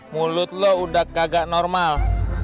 mulut lo udah kagak normal